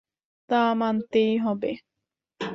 তা মানতেই হবে।